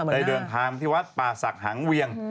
ได้เดินทางมาที่วัดป่าศักดิ์หางเวียง